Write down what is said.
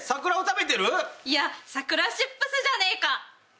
いや、桜チップスじぇねーか。